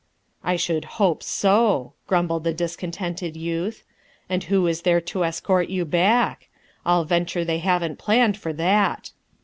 "I should hope so!" grumbled the discon tented youth. "And who is there to escort you back? I'll venture they haven't planned for that!"